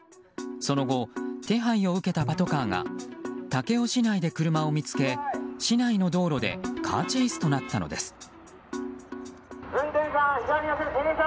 その後、手配を受けたパトカーが武雄市内で車を見つけ市内の道路でカーチェイスとなったのです。